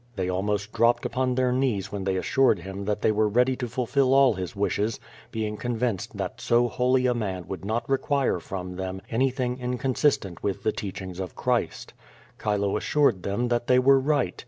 They almost dropped upon their knees when they as sured him that they were ready to fulfill all his wishes, being convinced that so holy a man would not require from them anything inconsistent with the teachings of Christ. Chilo 136 Q^O VADIS. assured them that they were right.